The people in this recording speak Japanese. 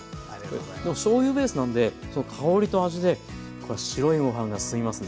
でもしょうゆベースなんで香りと味でこれは白いご飯がすすみますね。